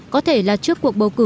có thể là trước cuộc bầu cử